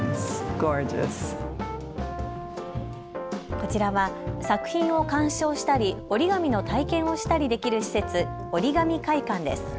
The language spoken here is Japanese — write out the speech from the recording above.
こちらは作品を鑑賞したり折り紙の体験をしたりできる施設、おりがみ会館です。